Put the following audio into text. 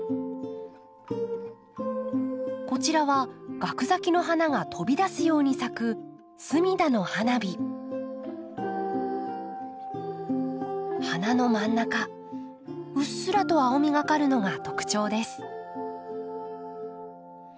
こちらはガク咲きの花が飛び出すように咲く花の真ん中うっすらと青みがかるのが特徴です。